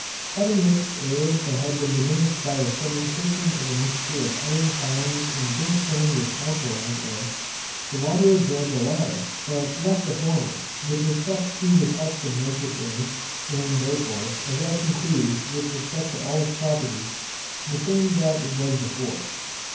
Having mixed air that had been diminished by the fermentation of a mixture of iron filings and brimstone with alkaline air, the water absorbed the latter, but left the former, with respect to the test of nitrous air (and therefore, as I conclude, with respect to all its properties) the same that it was before.